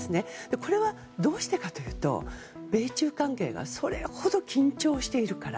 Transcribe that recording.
これはどうしてかというと米中関係がそれほど緊張しているから。